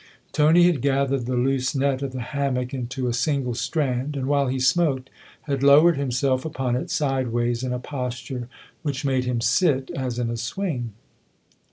Tony had gathered the loose net of the hammock THE OTHER HOUSE 153 into a single strand, and, while he smoked, had lowered himself upon it, sideways, in a posture which made him sit as in a swing.